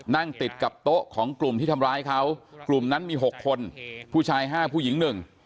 นั่งติดกับโต๊ะของกลุ่มที่ทำร้ายเขากลุ่มนั้นมี๖คนผู้ชายห้าผู้หญิงหนึ่ง